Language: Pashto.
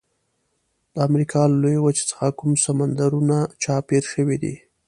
د امریکا له لویې وچې څخه کوم سمندرونه چاپیر شوي دي؟